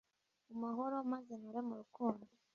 mu mahoro, maze nture mu rukundo